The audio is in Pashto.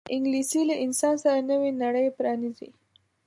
انګلیسي له انسان سره نوې نړۍ پرانیزي